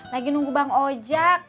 lagi nunggu bang ojak